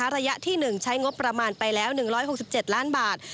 ระยะที่๑ใช้งบประมาณไปแล้ว๑๖๗ล้านบาท